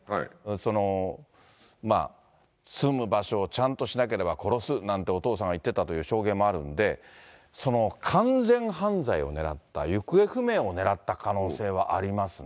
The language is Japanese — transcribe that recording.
その住む場所をちゃんとしなければ殺すなんてお父さんが言っていたという証言もあるんで、完全犯罪を狙った、行方不明をねらった可能性はありますね。